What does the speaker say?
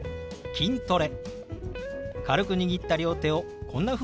「筋トレ」。